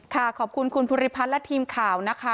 ขอบคุณคุณภูริพัฒน์และทีมข่าวนะคะ